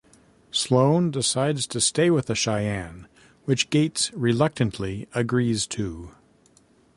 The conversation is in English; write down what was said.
Sloan decides to stay with the Cheyenne, which Gates reluctantly agrees to.